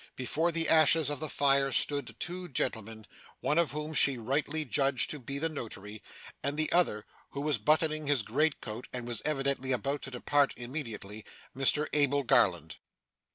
Before the ashes of the fire stood two gentlemen, one of whom she rightly judged to be the notary, and the other (who was buttoning his great coat and was evidently about to depart immediately) Mr Abel Garland.